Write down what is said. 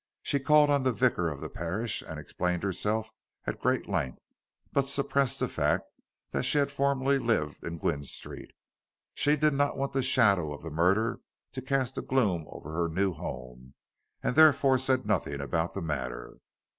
She called on the vicar of the parish and explained herself at great length, but suppressed the fact that she had formerly lived in Gwynne Street. She did not want the shadow of the murder to cast a gloom over her new home, and therefore said nothing about the matter.